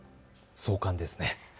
壮観ですね。